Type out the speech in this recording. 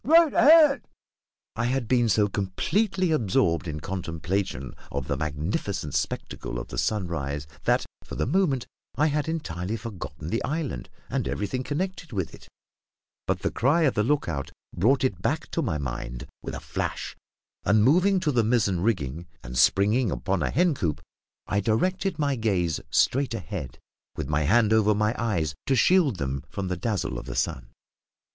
right ahead." I had been so completely absorbed in contemplation of the magnificent spectacle of the sunrise that, for the moment, I had entirely forgotten the island, and everything connected with it; but the cry of the lookout brought it back to my mind with a flash, and, moving to the mizzen rigging, and springing upon a hen coop, I directed my gaze straight ahead, with my hand over my eyes to shield them from the dazzle of the sun.